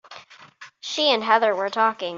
She and Heather were talking.